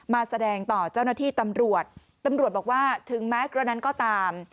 มาแสดงต่อเจ้าหน้าที่ตำรวจตำรวจบอกว่าถึงแม้กระนั้นก็ตาม